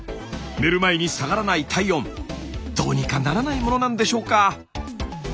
寝る前に下がらない体温どうにかならないものなんでしょうか？